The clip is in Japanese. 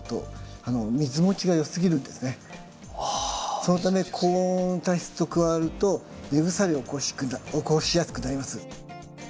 そのため高温多湿と加わると根腐れを起こしやすくなります。